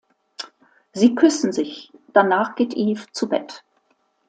Sie küssen sich, danach geht Eve zu Bett.